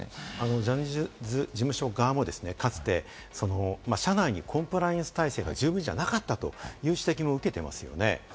ジャニーズ事務所側も、かつて社内にコンプライアンス体制が十分じゃなかったという指摘も受けていますね。